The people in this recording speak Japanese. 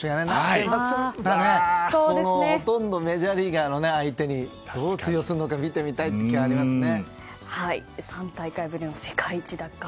先発すると、ほとんどメジャーリーガーの相手にどう通用するのか見てみたいという気はありますね。